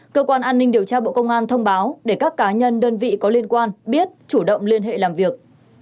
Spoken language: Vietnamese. cơ quan an ninh điều tra bộ công an thông báo để các cá nhân đơn vị có liên quan biết chủ động liên hệ làm việc